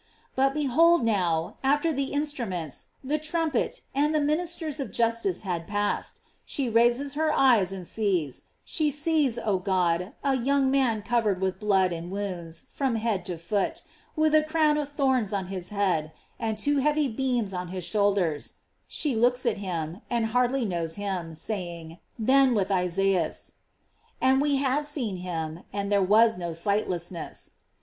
But behold, now, after the in struments, the trumpet, and the ministers of jus tice had passed, she raises her eyes and sees; she sees, oh God, a young man covered with blood and wounds from head to foot, with a crown of thorns on his head, and two heavy beams on his shoulders; she looks at him and hardly knows him, saying, then, with Isaias: " And we have seen him, and there was no sightliness.